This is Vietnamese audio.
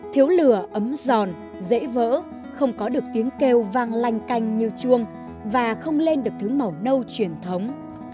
thiếu lửa ấm giòn dễ vỡ không có được tiếng kêu vang lanh canh như chuông và không lên được thứ màu nâu truyền thống